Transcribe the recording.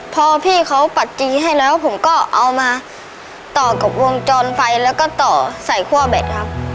พอพี่เขาปัจจีให้แล้วผมก็เอามาต่อกับวงจรไฟแล้วก็ต่อใส่คั่วแบตครับ